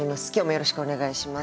よろしくお願いします。